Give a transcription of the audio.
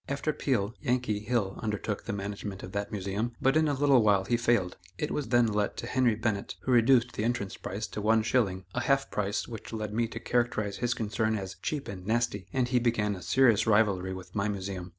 After Peale, "Yankee" Hill undertook the management of that Museum, but in a little while he failed. It was then let to Henry Bennett, who reduced the entrance price to one shilling, a half price which led me to characterize his concern as "cheap and nasty," and he began a serious rivalry with my Museum.